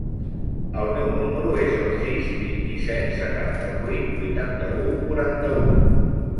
El meu número es el sis, vint-i-set, setanta-vuit, vuitanta-u, quaranta-u.